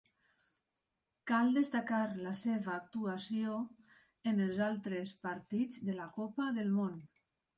Cal destacar la seva actuació en els altres partits de la Copa del Món.